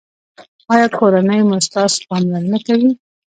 ایا کورنۍ مو ستاسو پاملرنه کوي؟